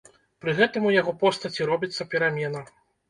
Пры гэтым у яго постаці робіцца перамена.